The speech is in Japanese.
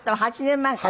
８年前に。